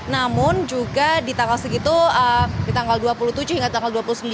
namun juga di tanggal segitu di tanggal dua puluh tujuh hingga tanggal dua puluh sembilan